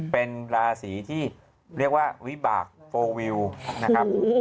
เป็นราศีที่เรียกว่าวิบากโฟลวิวนะครับ